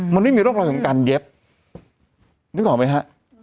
มันไม่มีร่องรอยของการเย็บนึกออกไหมฮะ